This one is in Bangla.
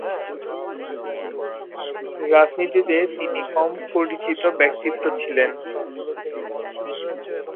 রাজনীতিতে তিনি কম পরিচিত ব্যক্তিত্ব ছিলেন।